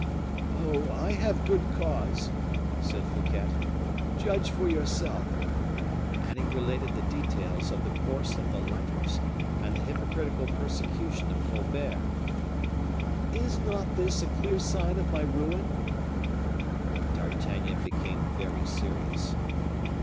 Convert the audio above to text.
"Oh! I have good cause," said Fouquet. "Judge for yourself." And he related the details of the course of the lighters, and the hypocritical persecution of Colbert. "Is not this a clear sign of my ruin?" D'Artagnan became very serious.